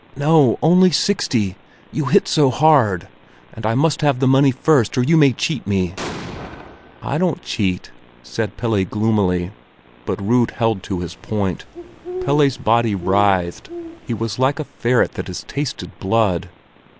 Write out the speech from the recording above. "No—only sixty—you hit so hard! And I must have the money first, or you may cheat me." "I don't cheat," said Pelle gloomily. But Rud held to his point. Pelle's body writhed; he was like a ferret that has tasted blood.